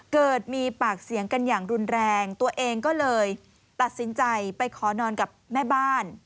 เกิดมีปากเสียงกันอย่างรุนแรงตัวเองก็เลยตัดสินใจไปขอนอนกับแม่บ้าน